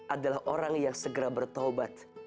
adalah orang yang segera bertaubat